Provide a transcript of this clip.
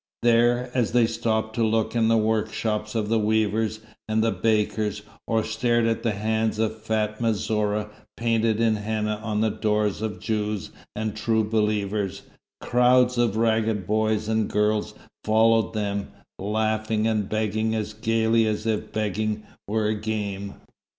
There, as they stopped to look in at the workshops of the weavers, and the bakers, or stared at the hands of Fatma Zora painted in henna on the doors of Jews and True Believers, crowds of ragged boys and girls followed them, laughing and begging as gaily as if begging were a game.